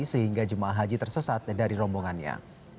sehingga jemaah haji tersesat dari rombongannya